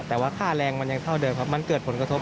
แต่ว่าค่าแรงมันยังเท่าเดิมครับมันเกิดผลกระทบ